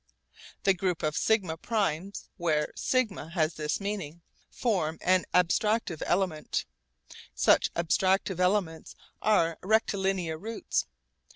The group of σ primes, where σ has this meaning, form an abstractive element. Such abstractive elements are rectilinear routes.